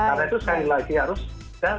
karena itu sekali lagi harus dan